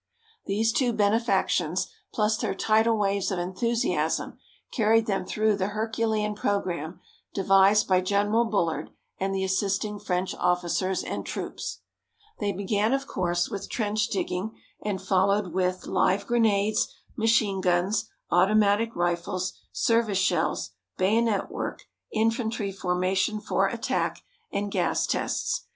These two benefactions, plus their tidal waves of enthusiasm, carried them through the herculean programme devised by General Bullard and the assisting French officers and troops. They began, of course, with trench digging, and followed with live grenades, machine guns, automatic rifles, service shells, bayonet work, infantry formation for attack, and gas tests.